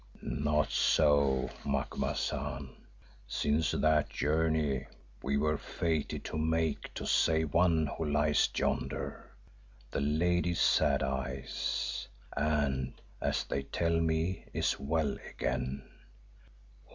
"Not so, Macumazahn, since that journey we were fated to make to save one who lies yonder, the Lady Sad Eyes, and, as they tell me, is well again.